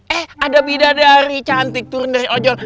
eh ada bidadari cantik turun dari ojol